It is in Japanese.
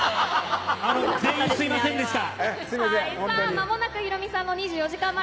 全員すいませんでした。